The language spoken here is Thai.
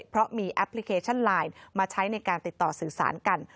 เพราะมีแอปพลิเคชันไลน์มาใช้ในการติดต่อสื่อสารกัน